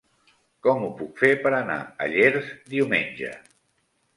Com ho puc fer per anar a Llers diumenge?